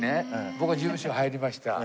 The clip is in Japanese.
僕が事務所入りました。